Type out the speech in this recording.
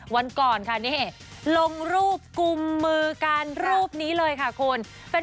วันก่อนค่ะนี่ลงรูปกุมมือกันรูปนี้เลยค่ะคุณ